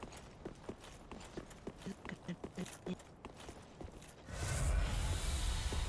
Fue construido por el secretario de la hacienda del rey Francisco I de Francia.